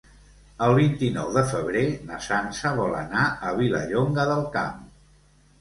El vint-i-nou de febrer na Sança vol anar a Vilallonga del Camp.